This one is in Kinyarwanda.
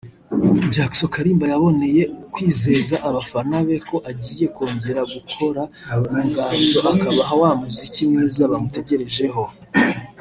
Jackson Kalimba yaboneyeho kwizeza abafana be ko agiye kongera gukora mu nganzo akabaha wa muziki mwiza bamutegerejeho